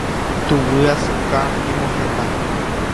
Tuguyasuka ñemohenda.